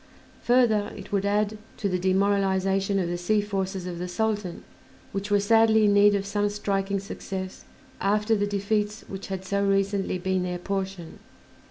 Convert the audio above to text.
Further, it would add to the demoralization of the sea forces of the Sultan, which were sadly in need of some striking success after the defeats which had so recently been their portion.